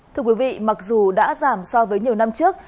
thưa quý vị mặc dù đã giảm so với nhiều năm trước